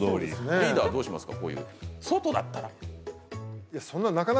リーダーどうしますか。